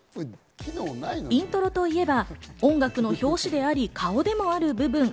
イントロといえば、音楽の表紙であり、顔でもある部分。